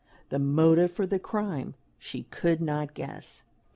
The motive for the crime she could not guess.